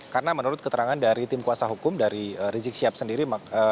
karena menurut keterangan dari tim kuasa hukum dari rizik sihab sendiri